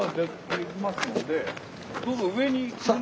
どうぞ上に。